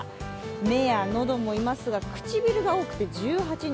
目や喉もいますが唇が多くて１８人。